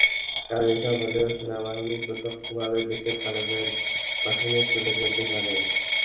কারণ, এসব হলেই সেনাবাহিনী প্রত্যক্ষভাবে দেশের চালকের আসনে চলে যেতে পারে।